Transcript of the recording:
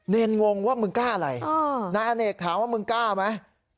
เนรงงว่ามึงกล้าอะไรนายอเนกถามว่ามึงกล้าไหม